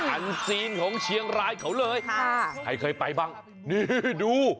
อันซีนของเชียงรายเขาเลยค่ะใครเคยไปบ้างนี่ดู